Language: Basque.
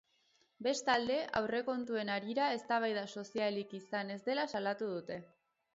Bestalde, aurrekontuen harira eztabaida sozialik izan ez dela salatu dute.